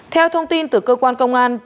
theo thông tin từ cơ quan công an